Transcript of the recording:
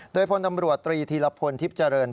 โดยพลตำรวจรีธีรภพนธิ์ทิพจริง